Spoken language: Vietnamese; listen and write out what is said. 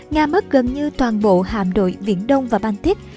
nga mất gần như toàn bộ hàm đội viện đông và baltic